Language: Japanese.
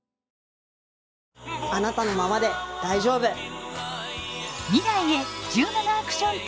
あなたのままで大丈夫。